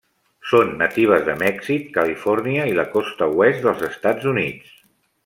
Són natives de Mèxic, Califòrnia i la Costa Oest dels Estats Units.